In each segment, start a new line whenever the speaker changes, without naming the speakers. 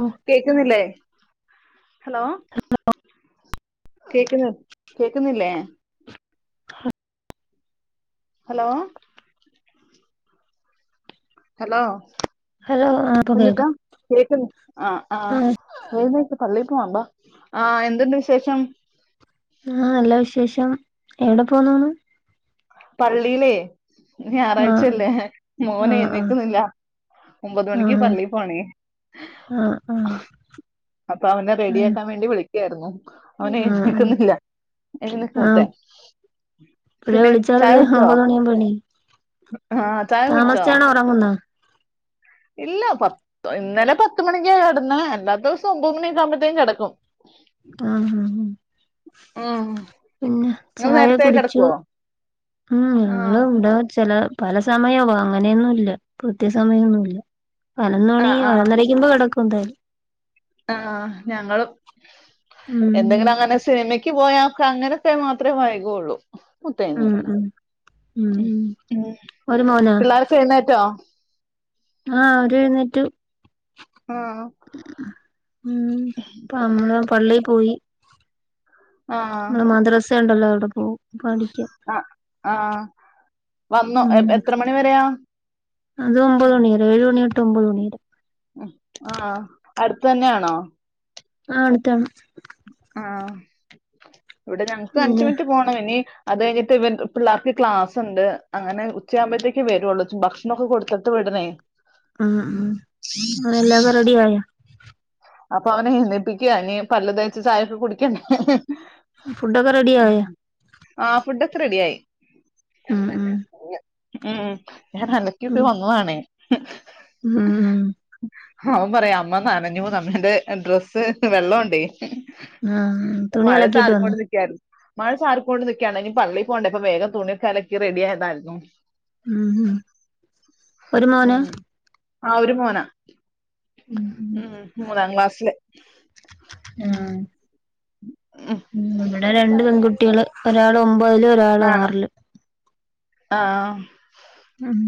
ഓ
കേക്കുന്നില്ലേ ഹലോ കേക്കുന്ന കേക്കുന്നില്ലേ ഹലോ ഹലോ
ഹലോ ആ ഇപ്പൊ
കുഞ്ഞുട്ട
കേക്കാം
കേക്ക ആഹ
ആ
ആഹ് പള്ളിപ്പോ മ്പാ ആ് എന്തുണ്ട് വിശേഷം
ആഹ് നല്ല വിശേഷം എവിടെ പോന്നാണ്
പള്ളിലേ
ആ
ഞായറാഴ്ചല്ലേ മോന
ആ ആ
എഴുന്നേക്കുന്നില്ല ഒമ്പത്
ആ ആ
മണിക്ക് പള്ളി പോണേ
ആ
അപ്പൊ അവനെ
ആ
റെഡി ആക്കാൻ വേണ്ടി വിളി ക്യാ റൂന്നു അവന
ആ ആ
എഴനക്കുന്നില്ല എഴുന്നേക്ക്
ആ
മുത്തേ
[unintelligible]
പിന്നെ
വിളിച്ചാലല്ലേ ഒമ്പത്ണി മണി ആവുമ്പോ ഏണി
ഉ
തമസിച്ചാണോ ഉറങ്ങുന്നെ
ഇല്ല പത്ത് ഇന്നലെ പത്തുമണിക്ക കടന്ന അല്ലാത്ത സഭൂ മണിക്കാുമ്പോഴത്തേും കിടക്കും
ആ
ഉം
പിന്നെ
നിങ്ങൾ
ചായ
നേരത്തെ
കുടിച്ചു
കിടക്കുവോ
ഉം ഞങ്ങ
ആഹ്
ഇവിടെ ചെല പല സമയവും അങ്ങനെയൊന്നും ഇല്ല കൃത്യസമയമൊന്നുമല്ല പതിനൊന്നുമണി
ആഹ്
പതിനൊന്നരക്ക് മുൻപ് കിടക്കും കുന്തൽ
ആ ഞങ്ങളും
ഉം
എന്തെങ്കിലും അങ്ങനെ സിനിമയ് പോയാ അങ്ങനെയൊക്കെ മാത്രമേ വൈകയുള്ളൂ
ഉം ഉം ഉം ഉം
[unintelligible]
ഒരു മോനാ
പിള്ളാരൊക്കെ എഴുന്നേറ്റോ
ആ അവര് എഴുന്നേറ്റു
ആഹ്
ഉം [unintelligible] മ്മള് പള്ളി പോയി
ആ
ണ്ടല്ലോ അവിടെ പോവും പഠിക്കാൻ
ആ
ഉം അത് ഒമ്പത് മണി വരെ ഏഴു മണി ട്ടേ ഒമ്പത് മണിവരെ
ആ അടുത്ത തന്നെയാണോ
ആ അടുത്താണ്
ആ ഇവിടെ ഞങ്ങൾക്ക് അഞ്ച്
പിന്നെ
മിനിറ്റ് പോകണം ഇനി അത് കഴിഞ്ഞിട്ട് ഇവ പിള്ളേർക്ക് ക്ലാസ് ഉണ്ട് അങ്ങനെ ഉച്ചയാകുമ്പോഴത്തേക്ക് വരുള്ളൂ ഭക്ഷണം ഒക്കെ കൊടുത്തിട്ട് വിടണേ
ഉം ഉം അങ്ങനെ എല്ലാവരും റെഡിയായ
അപ്പൊ അവനെ എഴുന്നേപ്പിക്കുയാ ഇനി പല്ല തേച്ച് ചായൊക്കെ കുടിക്കണ്ടേ
ഫുഡൊക്കെ റെഡിയായ
ആ ഫുഡ ഒക്കെ റെഡിയായി
ഉം ഉം
ഉം ഞാൻ അലക്കിയൊക്കെ
ഉം
വന്നതാണേ
ഉം
അവൻ പറയാ അമ്മ നനഞ്ഞു ന്ന് എന്റെ ഡ്രസ്സ് വെള്ളം ഒണ്ടേ
ആഹ് തുണി അലക്കിട്ട് വന്നു
നിക്കായിരുന്നു മഴ ചാറി കൊണ്ടനിക്കുകയാണ് ഇനി പള്ളി പോകണ്ടേ അപ്പ വേഗം തുണിയൊക്കെ അലക്കി റെഡിയായതായിരുന്നു
ഉം ഉം ഒരു മോനാ
ഉം ആ ഒരു മോനാ
ഉം ഉം
മൂന്നാം ക്ലാസില്
ആ ഉം ഇവടെ രണ്ട് പെൺകുട്ടികള് ഒരാൾ ഒമ്പ ഒമ്പതില് ഒരാള് ആറില്
ആ
ഉം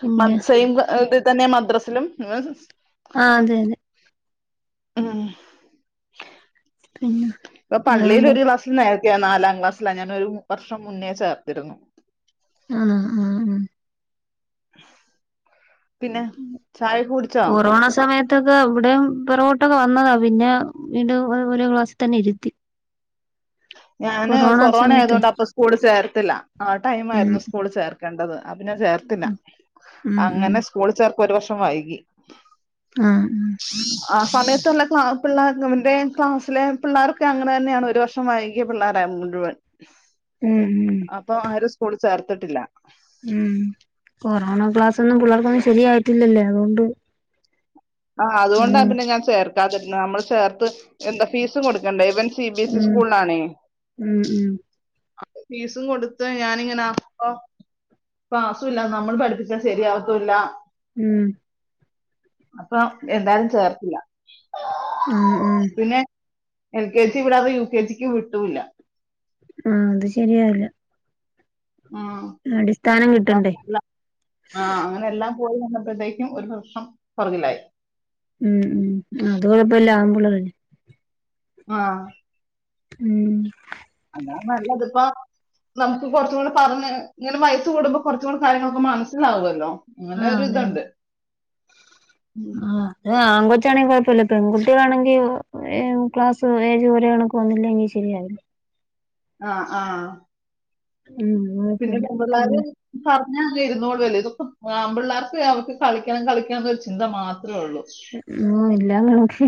പിന്നെ
[unintelligible] തന്നെ മദ്രാസിലും [unintelligible]
ആ അതെ അതെ
ഉം
പിന്നെ
ഇപ്പൊ പള്ളിൽ
വേറെന്താ
ഒരു ക്ലാസ് നേ ത്തയാ നാലാം ക്ലാസ്സിലാ ഞാന്ഒരു വർഷം മുന്നേ ചേർത്തിരുന്നു
ആ ആആ
പിന്നെ ചായ ക്കെ കുടിച്ചോ
ത്തൊക്കെ ഇവിടെ പൊറകോട്ടൊക്കെ വന്നതാ പിന്നെ വീണ്ടും ഒരുക്ലാസ്സിൽ തന്നെ ഇരുത്തി
ഞാന് കൊറോണ ആയതൊണ്ട് അപ്പ സ്കൂൾ ചേർത്തില്ല ആ ടൈം
ഉം
ആയിരുന്നു സ്കൂൾ ചേർ കണ്ടത് പിന്നെ ചേർത്തില്ല
ഉം ഉം
അങ്ങനെ സ്കൂൾ ചേർ ഒരു വർഷം വൈകി
ആ
ആ സമയത്തുള്ള ക്ല പിള്ളാ അവന്റെ ക്ലാസ്സിലെ പിള്ളോരൊക്കെ അങ്ങനെ തന്നെയാണ് ഒരു വർഷം വൈകിയ പിള്ളേരായിരുന്നു മുഴുവൻ
ഉം
അപ്പൊ ആരും സ്കൂളിൽ ചേർ ത്തിട്ടില്ല
ഉം കൊറോണ ക്ലാസ്സ് ന്നും പിള്ളേർക്കൊന്നും ശരിയായിട്ടില്ലല്ലേ അതുകൊണ്ട്
ആ അതു കൊണ്ടാ
ഉം
പിന്നെ ഞാൻ ചേർ ക്കാതിരുന്നത് നമ്മള് ചേർത്ത് എന്താ ഫീസും കൊടുക്കേണ്ടേ ഇവൻ സി ബി സി
ഉം
സ്കൂൾല് ആണേ
ഉം ഉം
അപ്പം ഫീസും കൊടുത്ത് ഞാനിങ്ങനെ അകുമ്പോ ക്ലാസുല്ല നമ്മൾ പഠിപ്പിച്ചാ ശരിയാവത്തുല്ല
ഉം
അപ്പൊ എന്താലും ചേർത്തില്ല
ഉം ഉം
എ ൽ കെ ജി വിടാതെ യുകെ ജിക്ക് വിട്ടുല്ല
ആ അത് ശരിയാവില്ല
ആ
അടിസ്ഥാനം കിട്ടണ്ടേ
ആ അങ്ങനെ എല്ലാം പോയി വന്നപ്പോഴത്തേക്കും ഒരു വർഷം പുറകിലായി
ഉം ഉം അത് കുഴപ്പമില്ല ആമ്പുള്ളൊ ഉം
ആഹ്
ഉം
നല്ലതിപ്പ നമുക്ക് കുറച്ചും കൂടി പറഞ്ഞ് ഇങ്ങനെ വയസ് കൂടുമ്പോ കുറച്ചും കൂടെ കാര്യങ്ങളൊക്കെ മനസ്സിലാവുവല്ലോ അങ്ങനെ ഒരു ഇതുണ്ട് ഉം.
ആ അതെ ആ ആൺകൊച്ച് ആണെങ്കിൽ കൊഴപ്പമില്ല പെൺകുട്ടിയാണെങ്കി ക്ലാസും ഏജും ഒരേ കണക്ക് വന്നില്ലങ്കിൽ ശരിയാവേല
ആഹ് ആഹ്
ഉം
പിന്നെ
കുഴപ്പമില്ല
പെമ്പിള്ളാര് പാ ഇരുന്നോടുല്ലേ ഇതൊക്ക ആമ്പിള്ളേർക്ക് അവർക്ക് കളിക്കണം കളിക്കണം ഒരു ചിന്ത മാത്രം
ഓ ഇല്ലങ്ങളോക്കി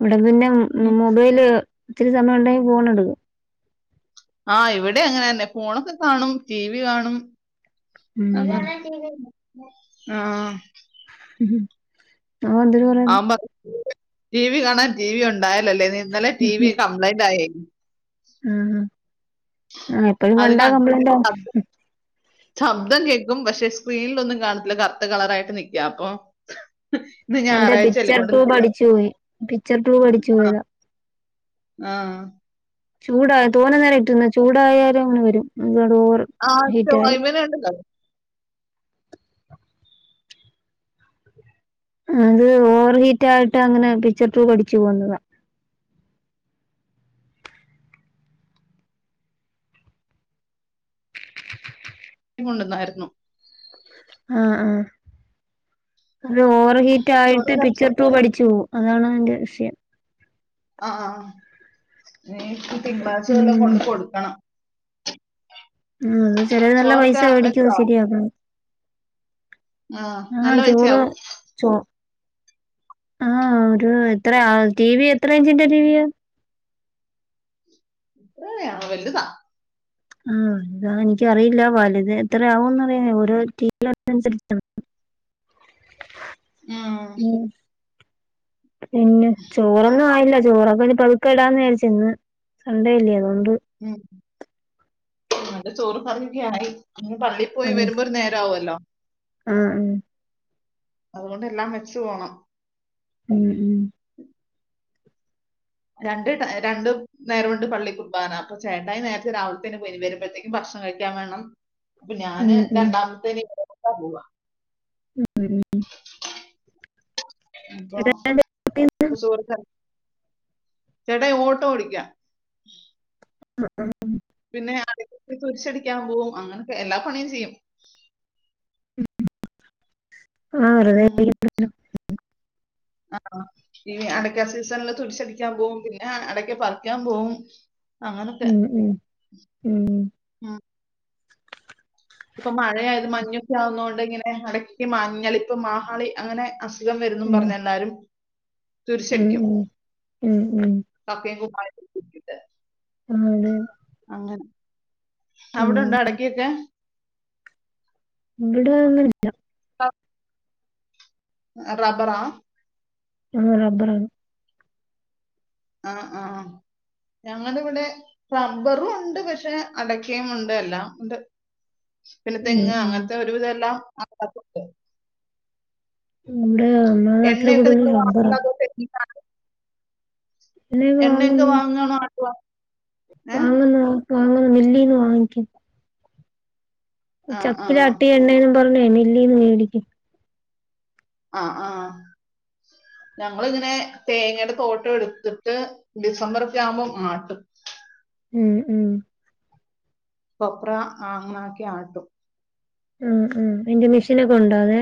ഇവിടെ പിന്നെ
ഉം.
മൊബൈല് ഒത്തിരി സമയം ഉണ്ടെങ്കിൽ ഫോൺ എടുക്കും
ആഹ് ഇവിടെം അങ്ങനെ തന്നെ ഫോണൊക്കെ കാണും ടി വി കാണും
ഉം
ആഹ് ആഹ്
അവന്തര് പറയണ്
ആവുമ്പോ ടി വി കാണാൻ ടി വി ഉണ്ടായ ല്ലേ ഇന്നലെ ടി വി കംപ്ലയിന്റ് ആയേ ഉം
ആഹ് ആഹ് ഇപ്പഴും
അത്
കണ്ടാ
കണ്ടോണ്ടിരിക്കും
കംപ്ലൈന്റാവും
ശബ്- ശബ്ദം കേൾക്കും പക്ഷെ സ്ക്രീനിലൊന്നും കാണത്തില്ല കറുത്ത കളറായിട്ട് നിക്കാ അപ്പൊ ഇന്ന്
അതിന്റെ
ഞായറാഴ്ച അല്ലേ
പിക്ചർ
കൊണ്ട്
ട്യൂബ് അടിച്ചു പോയി പിക്ചർ ട്യൂബ് അടിച്ചു പോയതാ
ആഹ്
ചൂടാ തോനെ നേരം ഇട്ടിരുന്നാ? ചൂടായാലും അങ്ങനെ വരും ഒരുപാട് ഓവർ
ആഹ്
ഹീറ്റായി
ചോയ്മല് ഉണ്ടല്ലോ
അത് ഓവർ ഹീറ്റ് ആയിട്ട് അങ്ങനെ പിക്ചർ ട്യൂബ് അടിച്ചു പോകുന്നതാ
കൊണ്ട്ന്നാരുന്നു
ആഹ് ആഹ് അത് ഓവർ ഹീറ്റ്
ചോറ്
ആയിട്ട്
കറി-
പിക്ചർ ട്യൂബ് അടിച്ചു പോവും അതാണ് അതിന്റെ വിഷയം
ആഹ് ആഹ് ഇനി തിങ്കളാഴ്ച വെല്ലാം കൊണ്ട് കൊടുക്കണം
ആഹ് ചെലത് നല്ല പൈസ
ചോറൊക്കെ
മേടിക്കോ ശരിയാ
ആഹ് നല്ല
ചോറ്
പൈസയാാവു
ചോ ആഹ് ഒരു എത്ര ടിവി എത്ര ഇഞ്ചിന്റെ ടിവിയ
ഇത്രയാണോ വലുതാ
ആഹ് അത് എനിക്കറിയില്ല വലുത് എത്ര ആവുമെന്ന് അറിയുന്നേ ഓരോ ടീവി അനുനുസരിച്ചാണ്
[unintelligible]
പിന്നെ ചോറൊന്നും ആയില്ല ചോറൊക്കെ പതുക്കെടാന്ന് വിചരിച്ചുെന്ന് സണ്ടേയില്ലേ അതോണ്ട്
ഉം ന്റെ ചോറും കറിയൊക്കായി പള്ളി പോയി വരുമ്പോ ഒരു നേരം ആവല്ലോ
ഉം
അതുകൊണ്ട് എല്ലാം വെച്ച് പോണം
ഉം ഉം
രണ്ട് രണ്ട് നേരമുണ്ട് പള്ളി കുർബാന ചേട്ടായി നേരത്തെ രാവിലത്തെ പോയി വരുമ്പോഴത്തേക്കും ഭക്ഷണം കഴിക്കാൻ വേണം അപ്പൊ ഞാൻ
ഉം ഉം ഉം ഉം
രണ്ടാമത്തേന് എപ്പോഴാ പോവാ
[inaudible]
അപ്പൊ ചോറ് കറി ചേട്ടായി ഓട്ടോ ഓടിക്കാ
ആഹ് ആഹ്
പിന്നെ അടുത്ത് തുരിശടിക്കാൻ പോവും അങ്ങനൊത്തെ എല്ലാ പണിയും ചെയ്യും
ആ
ഉം.
വറുതരിക്ക [inaudible]
ആ ഈ അടക്ക സീസണില് തുരിച്ച്ടിക്കാൻ പോകവും പിന്നെ അടക്ക പറിക്കാൻ പോവും അങ്ങനൊക്കെ
ഉം ഉം
ഉം. ഇപ്പൊ മഴയായത് മഞ്ഞൊക്കെ ആവുമ്പോ ഇങ്ങനെടക്കി മഞ്ഞളിപ്പ മാഹാളി അങ്ങനെ ഉറക്കംവരുന്നു പറഞ്ഞ എന്നാലും
ഉം ഉം ഉം ഉം
കക്കയും കുമായം ഒക്കെ ഇട്ട്ട്ട്
ആഹ് അതെ ഉം
അവിടെണ്ടോ അടക്കൊക്കെ?
ഇവിടെ അങ്ങനുല്ല
റബറാ
ആഹ റബറാണ്
ആഹ് ആഹ് ഞങ്ങൾ ഇവിടെ റബ്ബറും ഉണ്ട് പക്ഷെ അടക്കയും ഉണ്ട് എല്ലാം പിന്നെ
ഉം
തെങ്ങ്
ഉം
അങ്ങനത്തെ ഒരുവിധം എല്ലാം ആ മക്കക്കുണ്ട് [unintelligible]
ഉം ഇവുടെ നമ്മടെ നാട്ടിൽ കൂടുതൽ റബറാ
അെ
എണ്ണ വാങ്ങുന്നു
ആട്ടുവാ ഏ
വാങ്ങുന്നത് വാങ്ങുന്ന മില്ലിന്ന് വാങ്ങിക്ക
ആ ആ
ചക്കില അട്ടി എണ്ണേും പറഞ്ഞ മില്ലീന്ന് മേടിക്കും
ആഹ ആഹ ഞങ്ങിങ്ങനെ തേങ്ങയുടെ തോട്ടം എടുത്തിട്ട് ഡിസംബർ ഒക്കെ ആവുമ്പോ ആട്ടും
ഉം ഉം
കൊപ്ര ആ അങ്ങണാക്കി ആട്ടു
ഉ ഉ എന്റെ മെഷീനൊക്കെ ഉണ്ടോ അതെ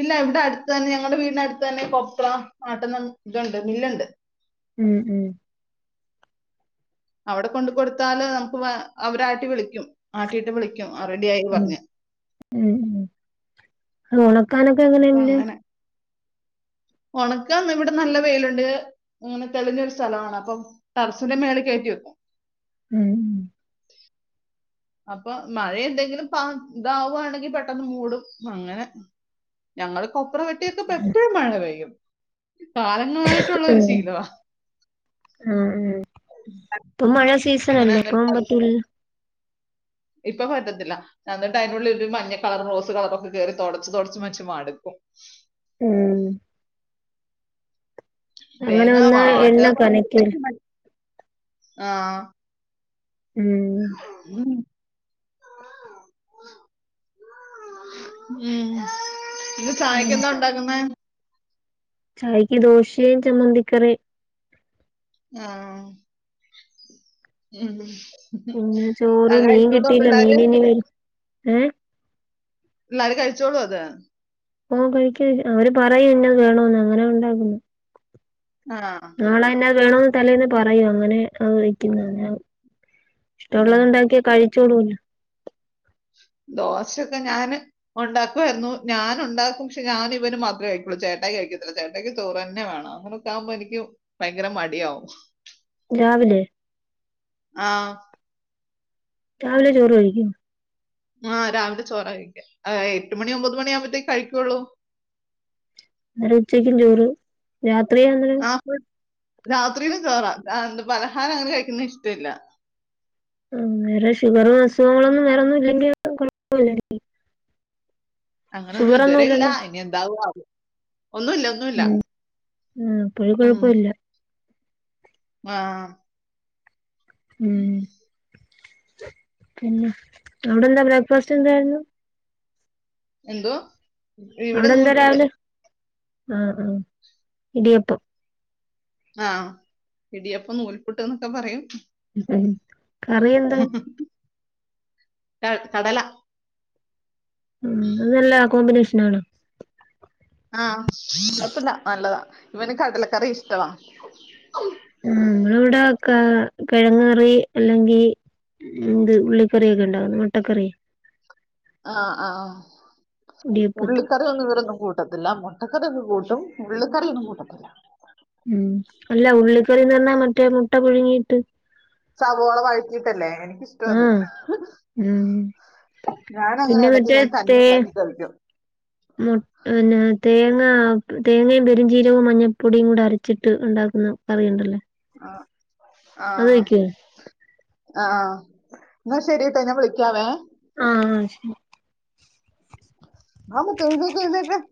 ഇല്ല ഇവിടെ അടുത്ത് തന്നെ ഞങ്ങളടെ വീടിന്റെ അടുത്ത് തന്നെ കൊപ്ര ആട്ടു ന്ന ഇതുണ്ട് മില്ലുണ്ട്
ഉം ഉം
അവിടെ കൊണ്ട് കൊടുത്താല് നമുക്ക് അവരാട്ടി വിളിക്കും ആട്ടിയിട്ട് വിളിക്കും റെഡിയായി
ഉ
പറഞ്ഞു
ഉ ഉ ഉണക്കാനൊക്കെ എങ്ങനെന്നെ
ഉണക്ക ഇവിടെ നല്ല വെയിലുണ്ട് അങ്ങനെ തെളിഞ്ഞൊരു സ്ഥലമാണ് അപ്പൊ ടാറസിന്റെ മേള് കയറ്റി വെക്കും
ഉം ഉ
അപ്പൊ മഴ എന്തെങ്കിലും പ ഇതാവുവാണെങ്കിൽ പെട്ടെന്ന് മൂടും അങ്ങനെ ഞങ്ങള് കൊപ്പറവട്ടിയൊക്കെ ഇപ്പ എപ്പോഴും മഴ പെയ്യും ഉ
ഉ ആ ആ ഇപ്പൊ മഴ
ഇങ്ങനെ
സീസണല്ലോ
എന്നിട്ട് അത്
ഇപ്പവുമ്പത്തല്ല
ഇപ്പൊ പറ്റത്തില്ല എന്ന എന്നിട്ട് അതിനുള്ള ഒരു മഞ്ഞ കളർ റോസ് കളറൊക്കെ കയറി തുടച്ച് തുടച്ച് മച്ച് മടക്കും
ആഹ
തേങ്ങ
വന്നാ
വാട്ട
എണ്ണ കലക്കില്ല
ആഹ [unintelligible]
ഉം
ഉം ഉം ഇന്ന്
ഉം
ചായക്ക് എന്താ ഉണ്ടാക്കുന്ന
ചായക്ക് ദോശയും ചമ്മന്തിക്കറിം
ആഹ ഉ
പിന്നെ ചോറ് മീൻ കിട്ടില്ല മീൻ
പിള്ളേര്
ഇനി വര ഏ
പിള്ളേര കഴിച്ചോളൂ അതെ
ഓ കഴിക്ക അവര് പറയും ഇന്നത് വേണന്ന് അങ്ങനെ ഉണ്ടാക്കുന്നു
ആ
നാളെ ഇന്നത് വേണോന്ന് തലേന്നെ പറയും അങ്ങനെ അങ്ങ് വെക്കുന്നതാ
ആ.
ഇഷ്ടമുള്ളത് ഉണ്ടാക്കിയ കഴി കഴിച്ചോളൂല്ലോ
ദോശൊക്കെ ഞാൻ ഉണ്ടാക്കുമായിരുന്നു ഞാൻ ഉണ്ടാക്കും പക്ഷെ ഞാനും ഇവന് മാത്രമേ കഴിക്കുള്ളൂ ചേട്ടാ കഴിക്കത്തില്ല ചേട്ടക്ക് ചോറ് തന്നെ വേണം അങ്ങനൊക്കെ ആകുമ്പോ എനിക്ക് ഭയങ്കര മടിയാവും
രാവിലെ
ആ
രാവിലെ ചോറ് കഴിക്കും
ആഹ് രാവിലെ ചോറാ കഴിക്കാ എട്ട് മണി ഒമ്പത് മണി ആവുമ്പോത്തേക്ക് കഴിക്കുള്ളൂ
അന്നേരം ഉച്ചക്കും ചോറ് രാ
ആപ്പിൾ രാത്രിയിലും ചോറാ ആ എന്ത് പലഹാരം അങ്ങനെ കഴിക്കുന്ന ഇഷ്ടമില്ല
ആ വേറെ ഷുഗറും അസുഖങ്ങളൊന്നും വേറെ ഒന്നും ഇല്ലെങ്കിൽ കൊഴപ്പില്ല
അങ്ങനെയൊന്നും ഇതുവരെ ഇല്ല ഇനി എന്താവും ആവോ ഒന്നുമില്ല ഒന്നുമില്ല
ഉം ആഹ് അപ്പഴ്
ഉം
കൊഴപ്പമില്ല
ആഹ് [inaudible]
എവിടെ എന്താ ബ്രേക്ക്ഫാസ്റ്റ് എന്തായിരുന്നു?
എന്തുവാ ഇവിടെ
അവിടെ എന്താ
നൂൽപുട്ട്
രാവിലെ ആഹ് ആ ഇടിയപ്പം
ആഹ് ഇടിയപ്പം നൂൽ പുട്ട് എന്നൊക്കെ പറയും.
ഉം. കറി എന്താ?
ക കടല
ഉം അത് നല്ല കോമ്പിനേഷൻ. ഷനാണ്.
ആഹ് കുഴപ്പില്ല നല്ലതാ ഇവന് കടലക്കറി ഇഷ്ടവാ.
ആഹ് നമ്മള് ഇവിടെ കിഴങ്ങ് കറി അല്ലെങ്കി ഇത് ഉള്ളിക്കറി ഒക്കെ ഉണ്ടാക്കുന്നെ മുട്ടക്കറിയെ.
ആഹ് ആഹ്.
ഇടിയപ്പത്തി
ഉള്ളിക്കറി ഒന്നും ഇവരൊന്നും കൂ കൂട്ടത്തില്ല മുട്ടക്കറി കൂട്ടും ഉള്ളി കറീ ഒന്നും കൂട്ടത്തില്ല.
ഉം അല്ല ഉള്ളി കറിന്ന് പറഞ്ഞ മറ്റേ മുട്ട പുഴുങ്ങിയിട്ട്.
സവോള വഴറ്റിട്ടല്ലേ എനിക്കിഷ്ടം അത്
ആഹ് ഉം
ഞാൻ അങ്ങനെ
പിന്നെ
ഇടക്ക്
മറ്റേ
ഞാൻ തന്നെ
തേ
ഉണ്ടാക്കി കഴിക്കും.
മു പിന്നെ തേ തേങ്ങയും പെരും ചീരവും മഞ്ഞൾപ്പൊടിയും കൂടി അരച്ചിട്ട് ഉണ്ടാക്കുന്ന കറിയുണ്ടല്ലോ.
ആഹ്
അത്
ആഹ്.
വെക്കുവോ
ആഹ് എന്നാ ശരി ട്ട ഞാൻ വിളിക്കാവേ
ആ ശരി
ആ [unintelligible]